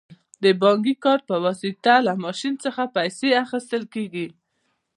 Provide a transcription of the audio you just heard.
د بانکي کارت په واسطه له ماشین څخه پیسې اخیستل کیږي.